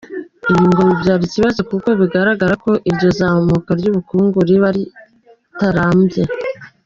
Ibi ngo bibyara ikibazo kuko bigaragara ko iryo zamuka ry’ ubukungu riba ritarambye.